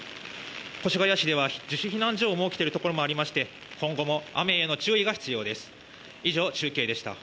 越谷市では、自主避難所を設けているところもありまして今後も雨への注意が必要です。